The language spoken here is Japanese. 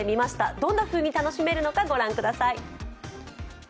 どんなふうに楽しめるのか御覧ください。